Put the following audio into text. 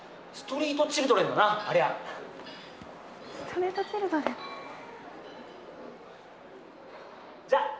ストリートチルドレンだなありゃ。